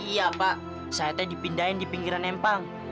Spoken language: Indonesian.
iya pak saya tadi dipindahin di pinggiran empang